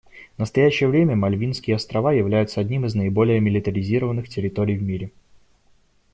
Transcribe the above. В настоящее время Мальвинские острова являются одними из наиболее милитаризированных территорий в мире.